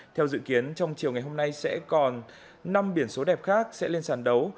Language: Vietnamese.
theo dự kiến trong chiều ngày hôm nay sẽ còn năm biển số đẹp khác sẽ lên sàn đấu